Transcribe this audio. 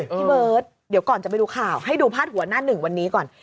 พี่เบิร์ตเดี๋ยวก่อนจะไปดูข่าวให้ดูพาดหัวหน้าหนึ่งวันนี้ก่อน